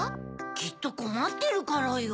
きっとこまってるからよ。